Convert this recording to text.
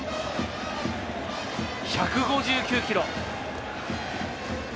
１５９キロ。